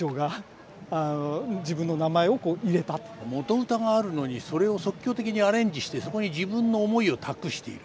元歌があるのにそれを即興的にアレンジしてそこに自分の思いを託している。